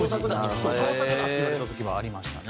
盗作だって言われた時もありましたね。